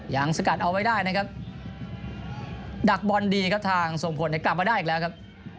ยังสกัดเอาไว้ได้นะครับดักบอลดีครับทางส่งผลเนี่ยกลับมาได้อีกแล้วครับ